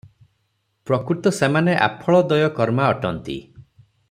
ପ୍ରକୃତ ସେମାନେ 'ଆଫଳୋଦୟକର୍ମା' ଅଟନ୍ତି ।